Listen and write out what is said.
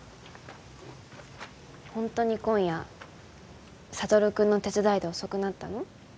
本当に今夜智君の手伝いで遅くなったの？